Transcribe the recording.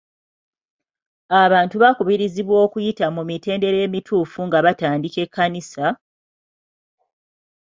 Abantu bakubirizibwa okuyita mu mitendera emituufu nga batandika ekkanisa,